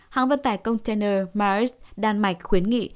hãng vận tải container mars đan mạch khuyến nghị